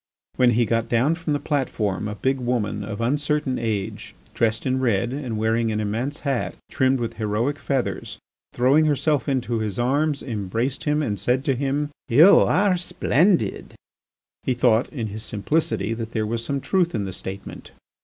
When he got down from the platform a big woman of uncertain age, dressed in red, and wearing an immense hat trimmed with heroic feathers, throwing herself into his arms, embraced him, and said to him: "You are splendid!" He thought in his simplicity that there was some truth in the statement.